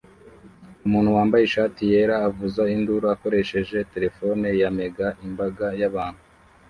Umuntu wambaye ishati yera avuza induru akoresheje terefone ya mega imbaga y'abantu